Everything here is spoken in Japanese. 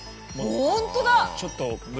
本当だ！